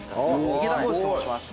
池田幸司と申します。